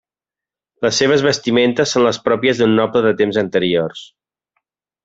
Les seves vestimentes són les pròpies d'un noble de temps anteriors.